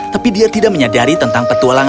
tapi dia tidak menyadari tentang petualangan